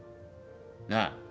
なあ。